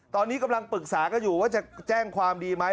ตอนนี้กำลังปรึกษากันอยู่ว่าจะแจ้งความดีไหม